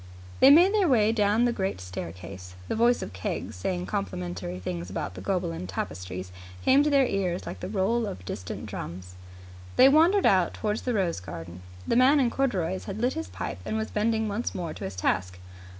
They made their way down the great staircase. The voice of Keggs, saying complimentary things about the Gobelin Tapestry, came to their ears like the roll of distant drums. They wandered out towards the rose garden. The man in corduroys had lit his pipe and was bending once more to his task.